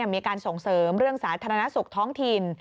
มีการส่งเสริมเรื่องสาธารณสุขท้องถิ่น